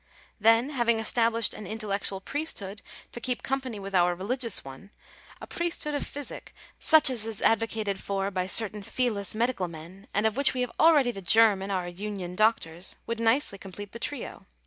* Then having established "an intellectual priesthood" to keep company with our re ligious one, a priesthood of physic such as is advocated by certain feeless medical men, and of which we have already the germ in our union doctors, would nicely complete the trio.